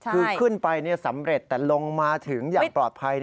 คือขึ้นไปสำเร็จแต่ลงมาถึงอย่างปลอดภัย